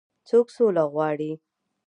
څوک سوله غواړي.